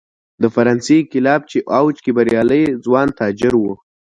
د فرانسې انقلاب په اوج کې بریالي ځوان تاجر و.